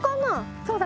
そうだね。